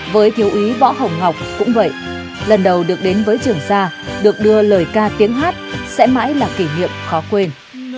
với thiếu úy võ hồng ngọc cũng vậy lần đầu được đến với trường sa được đưa lời ca tiếng hát sẽ mãi là kỷ niệm khó quên